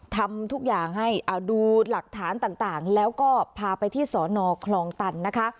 ทำทุกอย่างให้เอาดูหลักฐานต่างแล้วก็พาไปที่สอนอคลองตันนะคะ